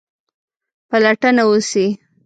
پلټنه وسي.